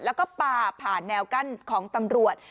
แล้วก็ป่าผ่านแนวกั้นของตำรวจ